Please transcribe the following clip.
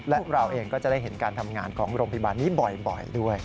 และเราเองก็จะได้เห็นการทำงานของโรงพยาบาลนี้บ่อยด้วย